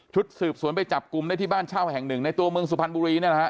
สืบสวนไปจับกลุ่มได้ที่บ้านเช่าแห่งหนึ่งในตัวเมืองสุพรรณบุรีเนี่ยนะฮะ